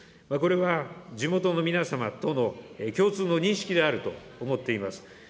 これは地元の皆様との共通の認識であると思っています。